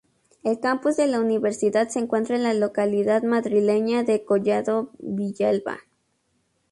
El campus de la universidad se encuentra en la localidad madrileña de Collado Villalba.